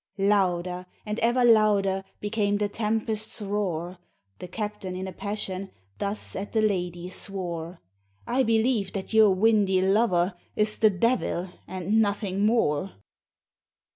Louder and ever louder Became the tempest's roar, The captain in a passion Thus at the lady swore: "I believe that your windy lover Is the devil and nothing more!"